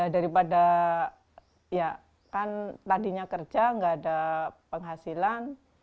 daripada ya kan tadinya kerja nggak ada penghasilan